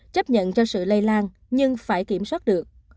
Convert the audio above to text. chấp nhận cho sự lây lan nhưng phải kiểm soát được